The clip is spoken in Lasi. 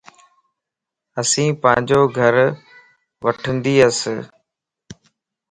اسين پانجو گھر وٺندياسين